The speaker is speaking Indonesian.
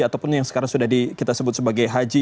ataupun yang sekarang sudah kita sebut sebagai haji